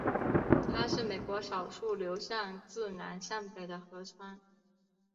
它是美国少数流向自南向北的河川。